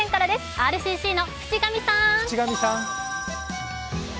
ＲＣＣの渕上さん。